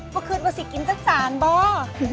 เมื่อคืนว่าสิกินจักรจานบ่า